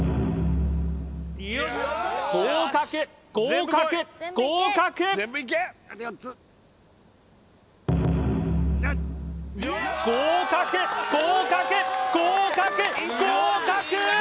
合格合格合格合格合格合格合格！